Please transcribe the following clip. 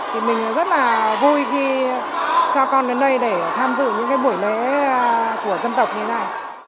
thì mình rất là vui khi cho con đến đây để tham dự những cái buổi lễ của dân tộc việt nam